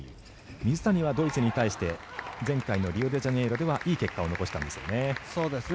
水谷はドイツに対して前回のリオデジャネイロではいい結果を残したんですよね。